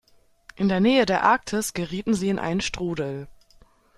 In der Nähe der Arktis gerieten sie in einen Strudel.